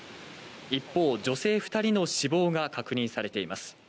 一方、女性２人の死亡が確認されています。